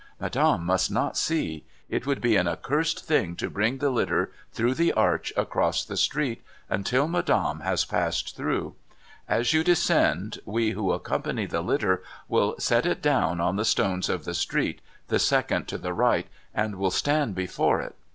Madame must not see. It would be an accursed thing to bring the litter through the arch across the street, until Madame has passed through. As you descend, we who accompany the litter will set it down on the stones of the street the second to the right, and will stand before it.